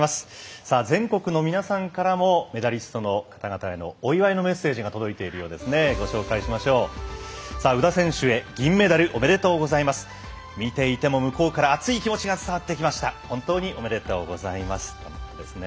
さあ、全国の皆さんからもメダリストの方々へのお祝いのメッセージが届いているようですね。